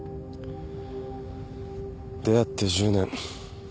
出会って１０年。